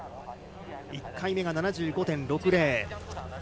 １回目が７５．６０。